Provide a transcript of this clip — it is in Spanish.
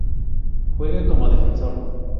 Juega como Defensor.